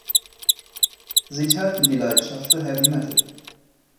Sie teilten die Leidenschaft für Heavy Metal.